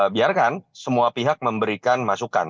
biarkan semua pihak memberikan masukan